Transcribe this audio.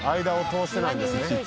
間を通してないんですね。